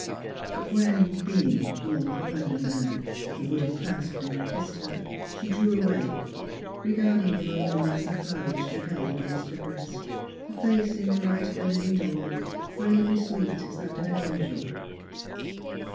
But when (being mortal and a man) he would have clasped and kissed her, she drew away, regarding him over the mass of flowers she held against her breast, her face in the light of the living dawn gravely sweet as that of an angel.